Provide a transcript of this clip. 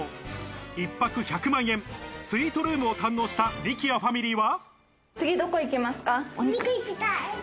１泊１００万円、スイートルームを堪能した力也ファミリーは。